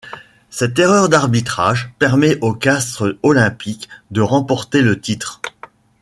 Cette erreur d'arbitrage permet au Castres olympique de remporter le titre.